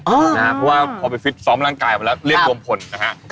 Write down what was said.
เพราะว่าพอไปฟิตซ้อมร่างกายไปแล้วเรียกรวมผลนะฮะ